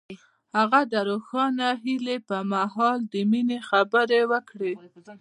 هغه د روښانه هیلې پر مهال د مینې خبرې وکړې.